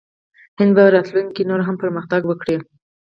هند به په راتلونکي کې نور هم پرمختګ وکړي.